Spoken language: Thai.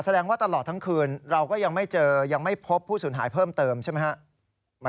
แสดงว่าตลอดทั้งคืนเราก็ยังไม่เจอยังไม่พบผู้สูญหายเพิ่มเติมใช่ไหมครับ